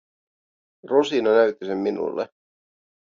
Rosina näytti sen minulle.